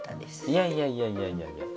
いやいやいやいやいや。